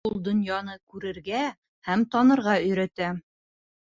Ул донъяны күрергә һәм танырға өйрәтә